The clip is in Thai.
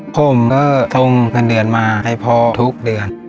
ผมก็ส่งเงินเดือนมาให้พ่อทุกเดือน